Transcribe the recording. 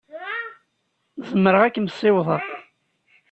Zemreɣ ad kem-ssiwḍeɣ.